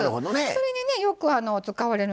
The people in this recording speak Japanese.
それによく使われる